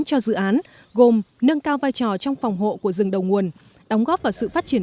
cho dự án gồm nâng cao vai trò trong phòng hộ của rừng đầu nguồn đóng góp vào sự phát triển